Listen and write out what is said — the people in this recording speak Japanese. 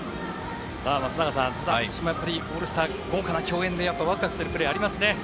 松坂さん、今年もオールスター豪華な競演でワクワクするプレーがありますね。